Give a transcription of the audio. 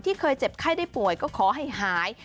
เคยเจ็บไข้ได้ป่วยก็ขอให้หาย